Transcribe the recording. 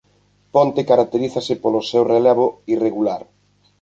Ponte caracterízase polo seu relevo irregular.